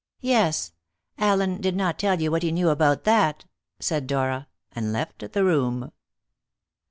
"Yes. Allen did not tell you what he knew about that," said Dora, and left the room.